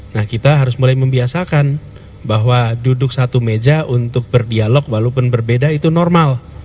nah kita harus mulai membiasakan bahwa duduk satu meja untuk berdialog walaupun berbeda itu normal